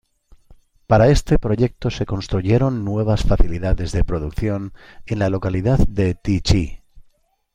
Para este proyecto se construyeron nuevas facilidades de producción en la localidad de Tychy.